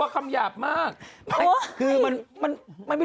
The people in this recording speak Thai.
กลับไปนอนกันไหม